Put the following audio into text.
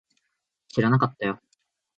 知らなかったよ